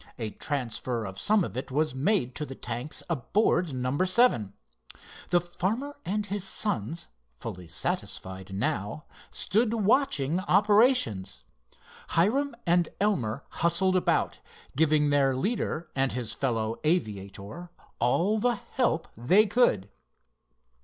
A transfer of some of it was made to the tanks aboard number seven. The farmer and his sons, fully satisfied now, stood watching operations. Hiram and Elmer hustled about, giving their leader and his fellow aviator all the help they could.